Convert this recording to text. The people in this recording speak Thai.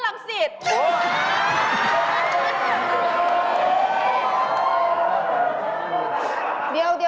ขัมเร็ต